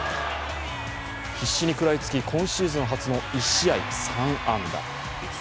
必死に食らいつき、今シーズン初の１試合３安打。